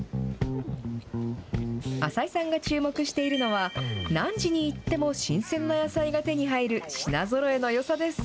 浅井さんが注目しているのは、何時に行っても新鮮な野菜が手に入る品ぞろえのよさです。